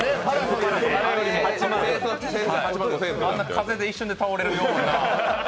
あんな風で一瞬で倒れるような。